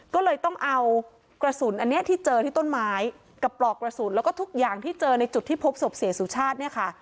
ก็เลยต้องเอากระสุนอันนี้ที่เจอที่ต้นไม้กับปลอกกระสุนแล้วก็ทุกอย่างที่เจอในจุดที่พบศพเสียสุชาติเนี่ยค่ะ